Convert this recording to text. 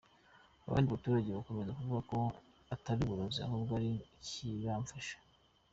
Abandi baturage bakomeza kuvuga ko atari uburozi ahubwo ari ‘Ikibamfasha’.